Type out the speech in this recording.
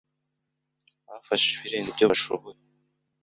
Bafashe ibirenze ibyo bashoboye.